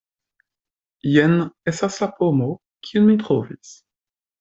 Jen estas la pomo, kiun mi trovis.